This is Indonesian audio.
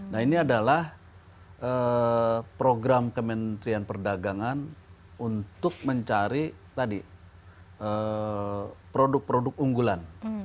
nah ini adalah program kementerian perdagangan untuk mencari tadi produk produk unggulan